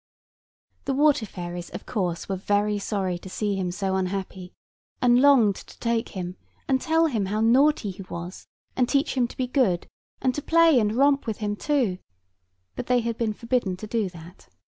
The water fairies, of course, were very sorry to see him so unhappy, and longed to take him, and tell him how naughty he was, and teach him to be good, and to play and romp with him too: but they had been forbidden to do that.